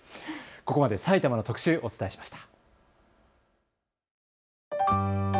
ここまで埼玉の特集、お伝えしました。